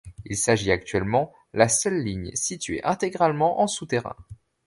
Il s'agit actuellement la seule ligne située intégralement en souterrain.